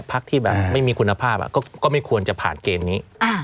พักที่แบบไม่มีคุณภาพก็ไม่ควรจะผ่านเกมนี้